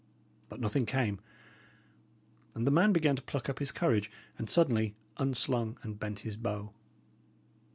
But nothing came; and the man began to pluck up his courage, and suddenly unslung and bent his bow.